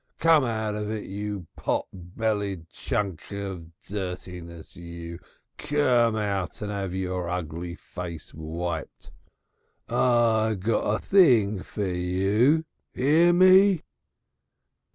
Come out of it, you pot bellied chunk of dirtiness, you! Come out and 'ave your ugly face wiped. I got a Thing for you.... 'Ear me?